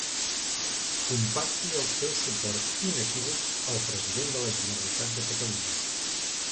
Compacti el seu suport inequívoc al president de la Generalitat de Catalunya.